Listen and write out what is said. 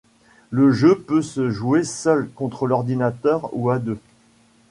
Le jeu peut se jouer seul, contre l’ordinateur, ou à deux.